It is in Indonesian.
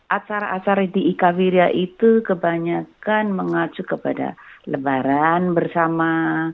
acara acara di ikawiria itu kebanyakan mengacu kepada lebaran bersama